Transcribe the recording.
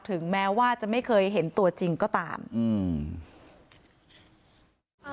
ถึงแม้ว่าจะไม่เคยเห็นตัวจริงก็ตามอืม